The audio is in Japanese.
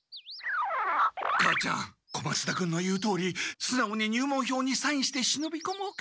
母ちゃん小松田君の言うとおりすなおに入門票にサインして忍びこもうか。